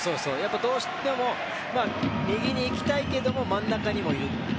どうしても右に行きたいけども真ん中にもいる。